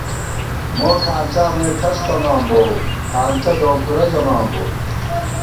موکھانڅا مے کھڅ تَمان بوؤ، کھانڅہ ڈونکُورہ ژَمان بوؤ